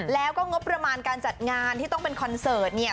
แล้วก็งบประมาณการจัดงานที่ต้องเป็นคอนเสิร์ตเนี่ย